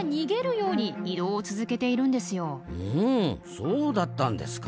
そうだったんですか。